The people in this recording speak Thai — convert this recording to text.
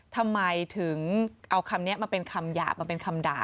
ทำไมถึงเอาคำนี้มาเป็นคำหยาบมาเป็นคำด่า